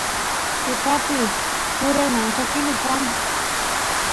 tutapi turay manchkilu kan